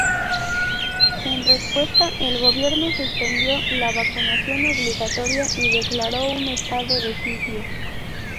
En respuesta, el gobierno suspendió la vacunación obligatoria y declaró un estado de sitio.